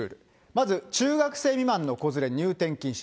まず中学生未満の子連れ入店禁止。